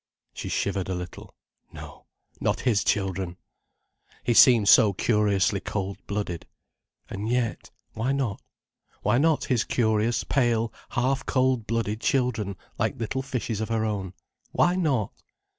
She shivered a little. No, not his children! He seemed so curiously cold blooded. And yet, why not? Why not his curious, pale, half cold blooded children, like little fishes of her own? Why not?